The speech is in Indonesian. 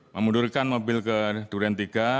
memundurkan mobil ke duren tiga